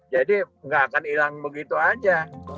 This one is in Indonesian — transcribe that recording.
jadi nggak akan hilang begitu aja